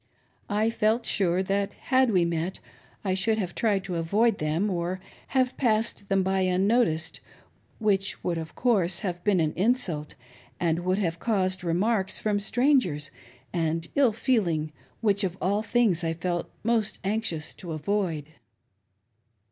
I felt sure that, had we met, I should have tried to avoid them or have passed them by unnoticed, which would, of course, have been an insult, and would have caused re marks from strangers, and ill feeling, which, of all things, I felt most anxious to avoid.